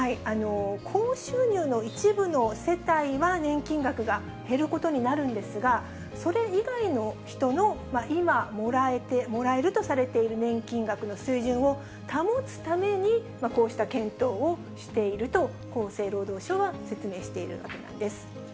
高収入の一部の世帯は年金額が減ることになるんですが、それ以外の人の今、もらえるとされている年金額の水準を保つために、こうした検討をしていると、厚生労働省は説明しているわけなんです。